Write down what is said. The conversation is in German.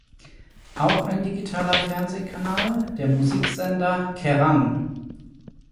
Auch ein digitaler Fernsehkanal, der Musiksender „Kerrang!